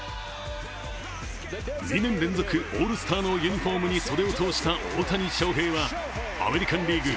２年連続オールスターのユニフォームに袖を通した大谷翔平はアメリカン・リーグ